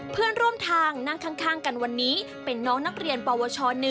เพื่อนร่วมทางนั่งข้างกันวันนี้เป็นน้องนักเรียนปวช๑